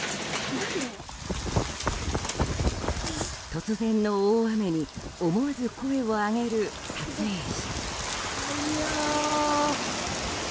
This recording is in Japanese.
突然の大雨に思わず声を上げる撮影者。